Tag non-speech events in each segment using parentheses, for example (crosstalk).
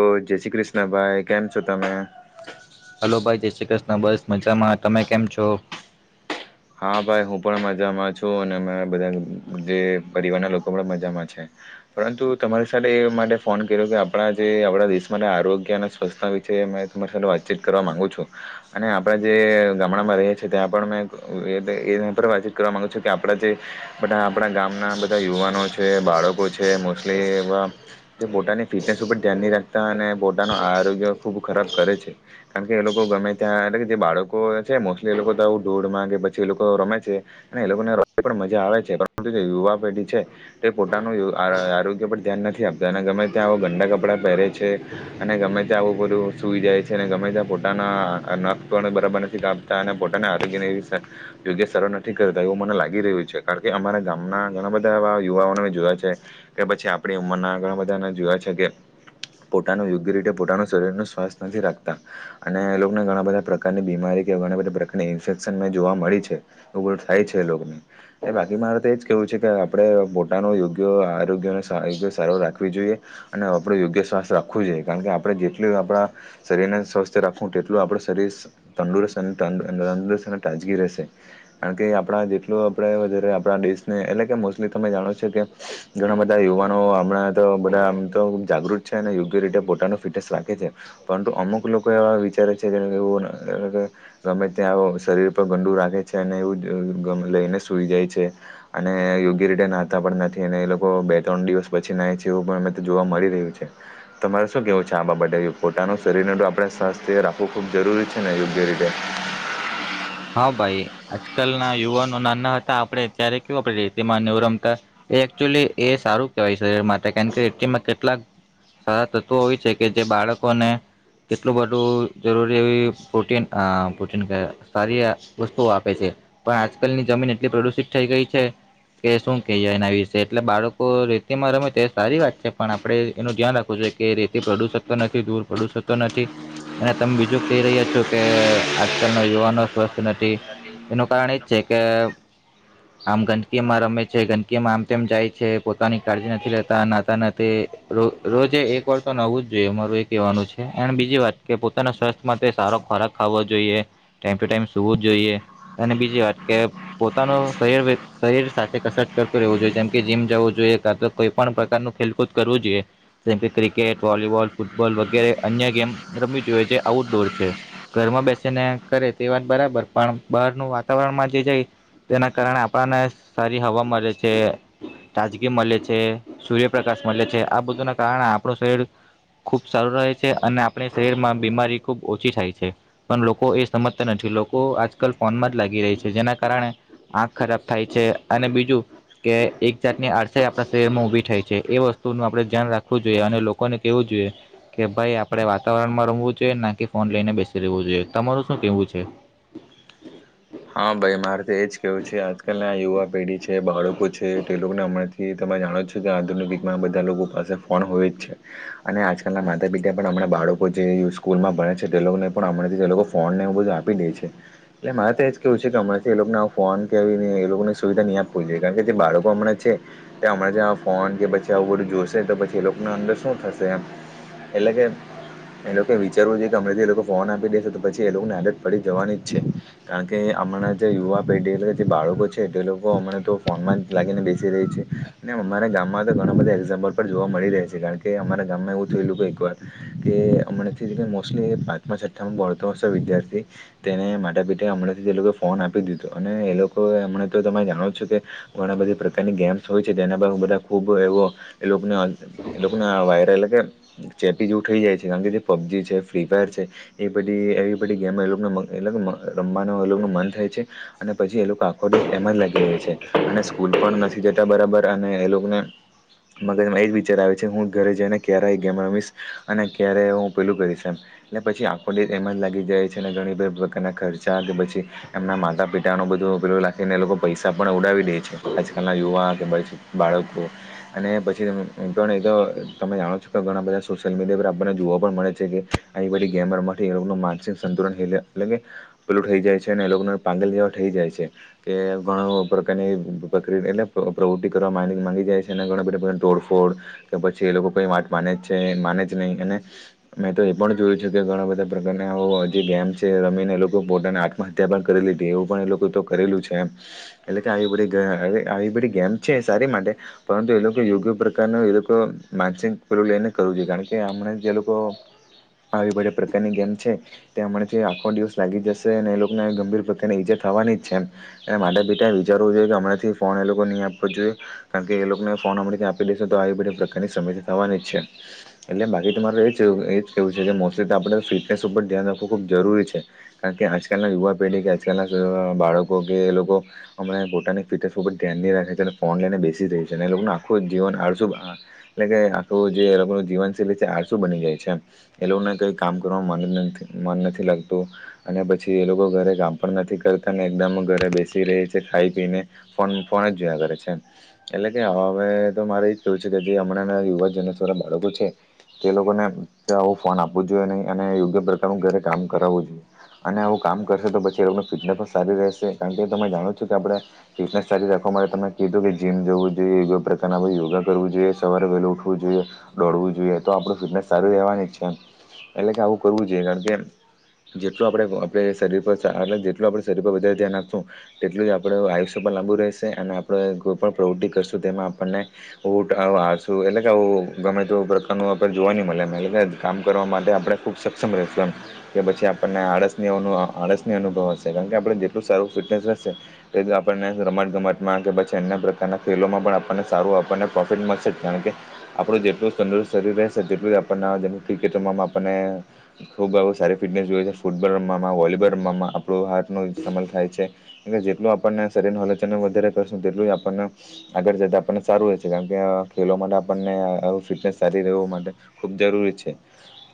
ઓ જય શ્રી કૃષ્ણ ભાઈ, કેમ છો તમે? માં બસ મજામાં. તમે કેમ છો? હા ભાઈ, હું પણ મજામાં છું અને મેં બધાં જે પરિવારનાં લોકો પણ મજામાં છે. પરંતુ તમારી સાથે એ માટે ફોન કર્યો કે આપડા જે આપડા દેશ માટે આરોગ્ય અને સ્વચ્છતા વિશે મે તમારી સાથે વાતચીત કરવા માંગુ છું અને આપડા જે ગામડામાં રે છે ત્યાં પણ મેં ઉ તે એના પર વાતચીત કરવા માંગું છું કે આપડા જે બધાં આપડા ગામના બધાં યુવાનો છે, બાળકો છે મોસ્ટલી એવા પોતાની ફિટનેસ ઉપર ધ્યાનની રાખતા અને પોતાનું આરોગ્ય ખૂબ ખરાબ કરે છે કારણ કે એ લોકો ગમે ત્યાં એટલે કે જે બાળકો છે મોસ્ટલી એ લોકો બઘા ધૂળમાં તે પછી એ લોકો રમે છે અને એ લોકોને પણ મજા આવે છે પરંતુ જે યુવા પેઢી છે તે પોતાનું આ આ આરોગ્ય પર ધ્યાન નથી આપતા અને ગમે ત્યાં આવા ગંડા કપડાં પેહરે છે અને ગમે ત્યાં આવું બધું સૂઈ જાય છે અને ગમે ત્યાં પોતાના નખ પણ બરાબર નથી કાપતા અને પોતાના આરોગ્યને એવી યોગ્ય સરળ નથી કરતાં એવું મને લાગી રહ્યું છે કારણ કે અમારા ગામનાં ઘણાં બધાં એવા યુવાઓને જોયા છે કે પછી આપણી ઉંમરના ઘણાં બધાંને જોયા છે કે પોતાનું યોગ્ય રીતે પોતાનું શરીરનું સ્વાસ્થ નથી રાખતા અને એ લોકને ઘણાં બધાં પ્રકારની બીમારી કે ધણાં બધાં પ્રકારની ઇન્ફેક્શન જોવા મળી છે. એવું બધું થાય છે લોગને એ બાકી માં તે એજ કેહવું છે કે આપડે પોતાનો યોગ્ય આરોગ્યને સારો રાખવી જોઈએ અને આપડુ યોગ્ય સ્વાસ્થ રાખવું જોઈએ કારણ કે આપડે જેટલું આપણા શરીરને સ્વસ્થ રાખવું તેટલું આપડુ શરીર તંદુરસ્ત અને તંદુરસ્ત અને તાજગી રહેશે કારણ કે આપડા જેટલું આપણે વધારે આપડા દેશને એટલે કે મોસ્ટલી તમે જાણો છો કે ઘણાં બધાં યુવાનો હમડા તો બધાં આમ તો જાગૃત છે અને યોગ્ય રીતે પોતાનો ફિટનેસ રાખે છે પરંતુ અમુક લોકો એવા વિચારે છે જે ગમે ત્યાં શરીર તો ગંડું રાખે છે અને એવું ગ લઈને સૂઈ જાય છે અને યોગ્ય રીતે નાહાતાં પણ નથી અને એ લોકો બે ત્રણ દિવસ પછી નાય છે એવું પણ અમે જોવા મળી રહ્યું છે તમારે શું કેવું છે આ બાબતે પોતાનું શરીરને આપડે સ્વાસ્થ્ય રાખવું ખૂબ જરૂરી છેને યોગ્ય રીતે? હા ભાઈ, આજકાલના યુવાનો નાના હતા આપણે ત્યારે કેવું આપરે રેતિમાંને એવું રમતા એકચુલી એ સારું કેવાય શરીર માટે કારણ કે રેતિમાં કેટલાક સારા તત્વો હોય છેકે જે બાળકોને કેટલું બધું જરૂરી એવી પ્રોટીન પ્રોટીન સારી વસ્તુઓ આપે છે પણ આજકલની જમીન એટલી પ્રદુષિત થઈ ગઈ છે કે શું કહીએ એના વિષે એટલે બાળકો રેતીમાં રમે તે સારી વાત છે પણ આપડે એનું ધ્યાન રાખવું જોઈએ કે રેતી પ્રદુષિત તો નથી ધૂળ પ્રદુષિતતો નથી અને તમે બીજું કહી રહ્યા છોકે આજકાલના યુવાનો સ્વસ્છ નથી એનું કારણ એજ છે કે આમ ગંદકીમાં રમે છે ગંદકીમાં આમ તેમ જાય છે પોતાની કાળજી નથી લેતા નાતા નથી રોજે એક વાર તો નાવુંજ જોઈએ મારું એ કેવાનું છે એન બીજી વાત કે પોતાના સ્વાસ્થ્ય માટે સારો ખોરાક ખાવો જોઈએ ટાઈમ ટુ ટાઈમ જોવું જોઈએ અને બીજી વાત કે પોતાનું શરીર શરીર સાથે કસરત કરતું રહેવું જોઈએ જેમકે, જીમ જવું જોઈએ કાતો કોઈ પણ પ્રકારનું ખેલકૂદ કરવું જોઈએ જેમકે ક્રિકેટ, વોલીબોલ, ફૂટબોલ વગેરે અન્ય ગેમ રમવી જોઈએ જે આઉટડોર છે ઘરમાં બેસીને કરે તે વાત બરાબર પણ બહારનું વાતાવરણમાં જે જાય તેના કારણે આપરાને સારી હવા મળે છે, તાજગી મળે છે સૂર્યપ્રકાશ મળે છે આ બધુંનાં કારણે આપણું શરીર ખૂબ સારું રહે છે અને આપણે શરીરમાં બીમારી ખૂબ ઓછી થાય છે પણ લોકો એ સમજતા નથી. લોકો આજકાલ ફોનમાં જ લાગી રેય છે જેના કારણે આંખ ખરાબ થાય છે અને બીજું કે એક જાતની આડસાય આપણાં શરીરમાં ઉભી થાય છે એ વસ્તુનું આપણે ધ્યાન રાખવું જોઈએ અને લોકોને કેવું જોઈએ કે ભાઈ આપણે વાતાવરણમાં રમવું જોઈએ નાકે ફોન લઈને બેસી રહેવું જોઈએ તમારું શું કેહવું છે? હા ભાઈ, મારે તો એજ કેવું છે આજકાલના યુવા પેઢી છે, બાળકો છે તે લોકને હમણાંથી તમે જાણો છો કે આધુનિકયુગમાં બધાં લોકો પાસે ફોન હોય જ છે અને આજકાલનાં માતા પિતા પણ હમણાં બાળકો જે સ્કૂલમાં ભણે છે તે લોકને પણ હમણાંથી જ એ લોકો ફોનને એવું બધું આપી દે છે એટલે મારે એજ કેવું છે કે હમણાંથી એ લોકને આ ફોન કે આવી એ લોકોને સુવિધા ની આપવી જોઈએ કારણ કે જે બાળકો હમણાં છે તે હમણાં જેં ફોન કે પછી આવું બધું જોશે તો પછી એ લોકોના અંદર શું થશે એમ એટલે કે એ લોકો વિચારવું જોઈએ કે હમણાંથી એ લોકો ફોન આપી દેશે તો પછી એ લોકોની આદત પડી જવાની જ છે કારણ કે કે હમણાં જે યુવા પેઢી જે બાળકો છે તે લોકો અમણાં તો ફોનમાં જ લાગીને બેસી રેય છે અને અમારા ગામમાં તો ઘણા બધા એક્ઝામ્પલ પર જોવા મળી રહ્યા છે કારણ કે અમારા ગામમાં એવું થયું એ લોકો એકવાર કે અમરેથી જ મોસ્ટલી પાંચમા છઠ્ઠામાં ભણતો હશે વિદ્યાર્થી તેને માતા પિતા હમણાં એ લોકોએ ફોન આપી દીધો અને એ લોકો હમને તો તમે જાણો છો કે ઘણાં બધી પ્રકારની ગેમ્સ હોય છે જેના બા બધાં ખૂબ એવો એ લોકને એ લોકોના આ વાયરલ એટલે કે ચેપી જેવું થઈ જાય છે કારણ કે જે પબજી છે, ફ્રી ફાયર છે એ બધી એવી બધી ગેમો એ લોકને એ રમવા મન થાય છે અને પછી એ લોકો આખો દેેશ એમા જ લાગી જાય છે અને સ્કૂલ પણ નથી જતા બરાબર અને એ લોકોને મગજમાં એ જ વિચાર આવે છે હું ઘરે જઈને ક્યારે એ ગેમ મિસ અને ક્યારે હું પેલું કરીશમ એટલે પછી આખો ડેસ એમ જ લાગી જાય છે અને ઘણી પ્રકારનાં ખર્ચ કે પછી એમના માતા પિતાનો બધો પેલું લાખીને એ લોકો પૈસા પણ ઉડાવી દે છે આજકાલનાં યુવા કે બાળકો અને પછી તમે જાણો છો કે ઘણા બધા સોશિયલ મીડિયા પર આપણને જોવા પણ મળે છે કે આવી બધી ગેમો રમવાથી એ લોકોનું માનસિક સંતુલન એટલે કે પેલું થઈ જાય છે અને એ લોકને પાગલ જેવા થઈ જાય છે કે ઘણાં પ્રકારની પ્રક્રિયા એટલે પ્રવૃત્તિ કરવા માની માગી જાય છે અને ઘણાં બધાં પ્રકારની તોડફોડ કે પછી એ લોકો કંઈ વાત માને જ છે માને જ નય અને મેં તો એ પણ જોયું છેકે ઘણાં બધાં પ્રકારનાં અવા જે ગેમ છે રમીને એ લોક પોતાને આત્મહત્યા પણ કરી લીધી એવું પણ એ લોકો તો કરેલું છે એમ એટલે કે આવી બધી આવી બધી ગેમ છે સારી માટે પરંતુ એ લોકો યોગ્ય પ્રકારનું એ લોકો માનસિક પેલું લઈને કરવું જોઈએ કારણ કે હમણાં જે લોકો આવી બધાઃ પ્રકારની ગેમ છે તે હમણે જે આખો દિવસ લાગી જશે અને એ લોકને ગંભીર પ્રકારની ઈજા થવાની જ છે એમ એ માતા પિતાએ વિચારવું જોઈએ કે હમણાંથી ફોન એ લોકને ની આપવો જોઈએ કારણ કે એ લોકોને ફોન અમરેથી આપી દીઘો તો આવી બધી પ્રકારની સમસ્યા થવાની જ છે એટલે બાકી તમારે એ જ એજ કેવું છે કે મોસ્ટલી તો આપણે ફિટનેસ ઉપર ધ્યાન રાખવું ખૂબ જરૂરી છે. કારણ કે આજકાલનાં યુવા પેઢી કે આજકાલનાં બાળકો કે એલોકો અમણાં પોતાની ફિટનેસ ઉપર ધ્યાનની રાખે છે અને ફોન લઈને બેસી જાય છે અને એ લોકોનું આખું જીવન આળસું એટલે કે આખું જે એ લોકોનું જીવનશૈલી છે આળસું બની જાય છે એ લોકોને કંઈ કામ કરવામાં મન નથી મન નથી લાગતું અને પછી એ લોકો ઘરે કામ પણ નથી કરતા ને એકદમ ઘરે બેસી રેય છે ખાઈ પીયને ફોન ફોન જ જોયા કરે છે એટલે કે હવે તો મારે એજ કેવું છેકે જે હમણાંનાં યુવાજને સ્વરા બાળકો છે તે લોકોને આવું ફોન આપવું જોઈએ નય અને યોગ્ય પ્રકારનું ઘરે કામ કરાવવું અને આવું કામ કરશે તો પછી એ લોકો ફિટનેસ પણ સારી રહેશે કારણ કે તમે જાણો છો કે આપણે ફિટનેસ સારી રાખવા માટે તમે કીધું કે જીમ જવું જોઈએ કો પ્રકારના યોગા કરવું જોઈએ, સવારે વહેલો ઉઠવું જોઈએ, દોડવું જોઈએ તો આપણું ફિટનેસ સારું રહેવાની જ છે એટલે કે આવું કરવું જોઈએ કારણ કે જેટલું આપણે આપણે શરીર પર એટલે જેટલું આપણે શરીર પર વધારે ધ્યાન રાખશું તેટલું જ આપણે આયુષ્ય પર લાંબુ રહેશે અને આપણે કોઈ પણ પ્રવૃત્તિ કરશું તેમાં આપણને આળસું એટલે કે આવું ગમે તે પ્રકારનું આપને જોવા ની મળે એમ એટલે કે કામ કરવા માટે આપણે ખૂબ સક્ષમ રેહશું એમ કે પછી આપ આપણને આળસની અનુ આળસની અનુભવાશે કારણ કે આપણે જેટલું સારું ફિટનેસ રેહશે એટલુ આપણને રમત ગમતમાં કે પછી અન્ય પ્રકારના ખેલોમાં પણ આપણને સારું આપણને પ્રોફિટ મળશે જ કારણ કે આપણું જેટલું તંદુરસ્ત શરીર રેહશે તેટલું જ આપણને જેમ ક્રિકેટોમાં આપણને ખૂબ આવું સારું ફિટનેસ જોઈશે. ફૂટબોલ રમવામાં, વોલીબોલ રમવામાં આપણું હાર્ટનું ઈસ્તમાલ થાય છે એ જેટલું આપણને શરીરનું હલન ચલન વધારે કરશું તેટલું જ આપણને આગળ જતાં આપણને સારું રહે છે કારણ કે ખેલવા માટે આપણને ફિટનેસ સારી રહેવું માટે ખૂબ જરૂરી છે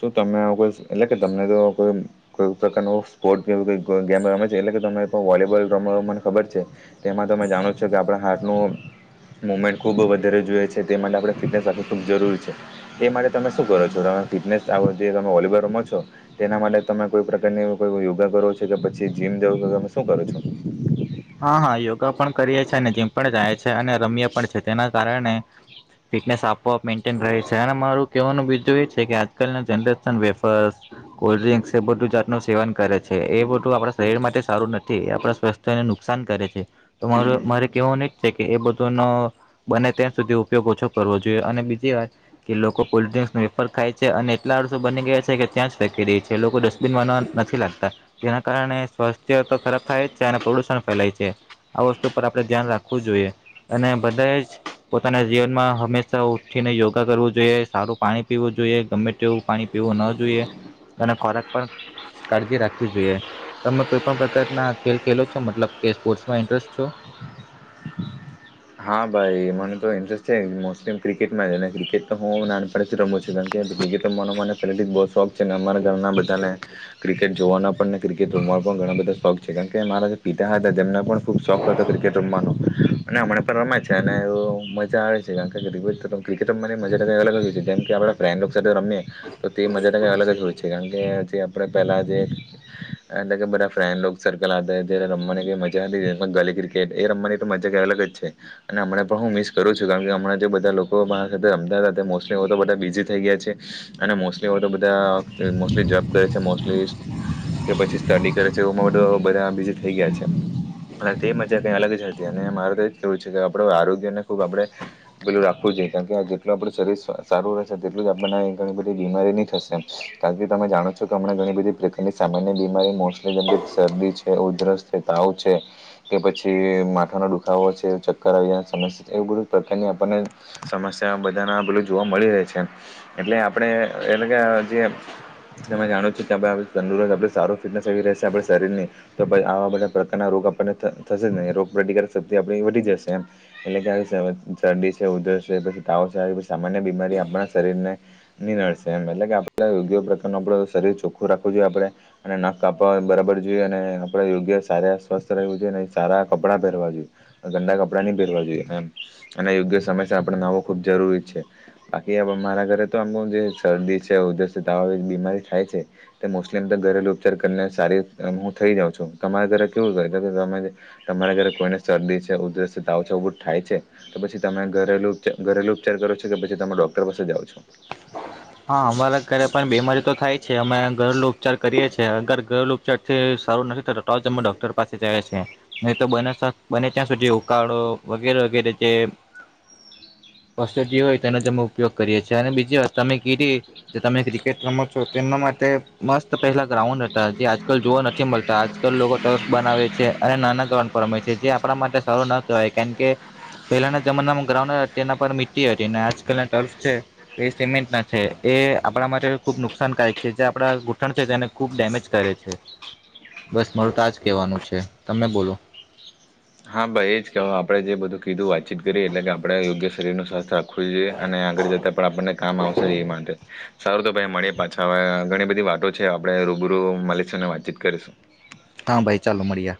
શું તમે કોઈ એટલે કે તમને તો કોઈ કોઈ પ્રકારનો સ્પોર્ટ એવું કંઈક ગેમ રમે છે એટલે કે તમે પણ વોલીબોલ રમો મને ખબર છે તેમાં તમે જાણો છો કે આપણા હાર્ટનું મુવમેન્ટ ખૂબ વધારે જુએ છે તે માટે આપણે ફિટનેસ રાખવી ખૂબ જરૂરી છે એ માટે તમે શું કરો છો તમે ફિટનેસ આ વખતે તમે વોલીબોલ રમો છો તેના માટે તમે કોઈ પ્રકારની કોઈ યોગા કરો છો કે પછી જીમ જવો કે તમે શું કરો છો? હા હા, યોગા પણ કરીએ છે અને જીમ પણ જાયે છે અને રમીએ પણ છે તેના કારણે ફિટનેસ આપોઆપ મેન્ટેન રહે છે અને મારું કેવાનું બીજું એ છેકે આજકાલ જનરેશન વેફર, કોલ્ડ્રિંક્સ એ બધું જાતનું સેવન કરે છે એ બધું આપણાં શરીર માટે સારું નથી આપણા સ્વાસ્થ્ય ને નું નુકસાન કરે છે તો મારું મારે કેવાનું એજ છેકે એ બધો ન બને ત્યાં સુધી ઉપયોગ ઓછો કરવો જોઈએ અને બીજી વાત કે લોકો કોલ્ડ ડ્રિંકસનો વેફર ખાય છે અને એટલા આળસુ બની ગયા છેકે ત્યાં જ ફેંકી દે છે લોકો ડસ્ટબિનમાં નથી લાખતા જેના કારણે સ્વાસ્થ્યતો ખરાબ થાય જ છે અને પ્રદુષણ ફેલાય છે આ વસ્તુ પર આપણે ધ્યાન રાખવું જોઈએ અને બધાએ જ પોતાના જીવનમાં હંમેશા ઉઠીને યોગા કરવું જોઈએ, સારું પાણી પીવું જોઈએ ગમે તેવું પાણી પીવું ન જોઈએ અને ખોરાક પણ કાળજી રાખવી જોઈએ તમે કોઈ પણ પ્રકારનાં ખેલ ખેલો છો મતલબ કે સ્પોર્ટ્સમાં ઇન્ટરેસ્ટ છો? હા ભાઈ, મને તો ઇન્ટરેસ્ટ છે મોસ્ટલી ક્રિકેટમાંને ક્રિકેટ તો હું નાનપણથી રમું છું કારણકે ક્રિકેટ રમવાનો મને પેલેથીજ બો શોખ. અમારા ગામનાં બધાંને ક્રિ ક્રિકેટ જોવાના પણને ક્રિકેટ રમવા પણ ઘણાં બધાં શોખ છે કારણ કે મારા જે પિતા હતા તેમના પણ ખૂબ શોખ હતો ક્રિકેટ રમવાનો. અને હમણાં. રમે છે અને એવુ મજા આવે છે કારણકે ક્રિકેટ રમવાની મજાજ કઈ અલગ જ હોય છે જેમ કે આપરા ફ્રેડ તને રમેં તો તે મજા કઈ અલગ જ હોય છે કારણ કે તે આપડે પેલા જે એટલે કે બધા ફ્રેન્ડ સર્કલ હતા જ્યારે રમવાની કઈ મજા હતી ગલી ક્રિકેટ એ રમવાની તો મજા કઈ અલગ જ છે. અને હમણા પણ હું મિસ કરું છું કારણ કે હમણાં જે બધા લોકો મારા સાથે રમતા હતા મોસ્ટલી તો બધા બિઝી થઈ ગયા છે અને મોસ્ટલી તો બધા મોસ્ટલી જોબ કરે મોસ્ટલી કે પછી સ્ટડી કરે છે બોધો બધા બિઝી થઈ ગયા છે અને તે મજા કઈ અલગ જ હતી અને મારે તો એ જ કેવું છે કે આપડે આરોગ્ય ને ખુબ આપડે પેલું રાખવું જોઈએ કારણ કે આ જેટલું આપડુ શરીર સારું રહેશે તેટલું જ આપણને ઘણી બધી બીમારીની થશે કારણ કે તમે જાણો છો કે હમણા ઘણી બધી પ્રકારની સામાન્ય બીમારી મોસ્ટલી જેમ કે શરદી છે ઉધરસ છે તાવ છે કે પછી માથાનો દુખાવો ચક્કર આવ્યા સમસ એવું બધુ પ્રકારની આપણને સમસ્યા બધાના બધું જોવા મળી રહે છે એટલે આપડે એટલે એટલે કે જે તમે જાણો છો કે તંદુરસ્ત સારો ફિટનેસ એ રહેશે આપડે શરીર ની તો ભઈ આવા બધા પ્રકારના રોગ આપણને થશે જ નહી રોગ પ્રતિકારક શક્તિ આપ વધી જશે એટલે (unintelligible) સરદી છે ઉધરસ છે પછી તાવ છે આવી પછી સામાન્ય બીમારી આપણા શરીરને (unintelligible) એટલે કે આપ પડે યોગ્ય પ્રકાર આપડો શરીર ચોખું રાખું જોઈએ આપડે. અને નાખ કાપવા બરાબર જોઈએ અને આપડે યોગ્ય સારા સ્વસ્થ રહેવું જોઈએ ને સારા કપડાં પેરવા જોઈએ. ગંદા કપડાં ની પેરવા જોઈએ આમ અને યોગ્ય સમયસર આપણે નાવો ખૂબ જરૂરી છે બાકી મારા ઘરે તો આમ જે શરદી છે ઉધરસ છે આ બધી બીમારી થાય છે તે મોસ્ટલી એમ તો ઘરેલુ ઉપચાર કરીને સારી હું થઈ જાઉં છું તમારા ઘરે કેવું તો કે તમારા ઘરે કોઈને શરદી છ જે ઉધરસ છે તાવ છે ઉભું થાય છે તો પછી તમે ઘરેલુ છે ઘરેલુ ઉપચાર કરો છો કે પછી તમે ડોક્ટર પાસે જાઓ છો હા અમારા ઘરે પણ બીમારી તો થાય છે અમે ઘરેલુ ઉપચાર કરીએ છે અગર ઘરેલુ ઉપચાર થી સારું નથી થતું તો જ અમે ડોક્ટર પાસે જએ છે નહી તો બને બને ત્યાં સુધી ઉકાળો વગેરે વગેરે જે વસુધી હોય તેનો જ અમે ઉપયોગ કરીએ છે અને બીજી વાત તમે કીઘી જે તમે ક્રિકેટ રમો છો તેમના માટે મસ્ત પહેલા ગ્રાઉન્ડ હતા જે આજકાલ જોવા નથી મળતા આજકાલ લોકો ટર્ફ બનાવે છે અને નાના કારણ પર રમે છે જે આપડા માટે સારું ના કેવાય કેન કે પહેલાના જમાનામાં ગ્રાઉન્ડ તેના પર મિટ્ટી હતી ને આજકાલ ટર્ફ છે તે સિમેન્ટના છે એ આપડા માટે ખૂબ નુકસાનકાયક છે જે આપડા ઘૂંઠણ છે તેને ખૂબ ડેમેજ કરે છે બસ મારું તો આજ કેવાનું છે તમે બોલો હા ભાઈ એ જ કહેવા આપણે જે બધું કીધું વાતચીત કરી એટલે કે આપડે યોગ્ય શરીરનો સ્વાસ્થ આપ ખુઈએ અને આગળ જતાં પણ આપણને કામ આવશે એ માટે. સારું તો ભાઈ મળીએ પાછા હવે ઘણી બધી વાતો છે આપડે રૂબરૂ મળીશુને વાતચીત કરીશું. હા ભાઈ ચાલો મળીયે.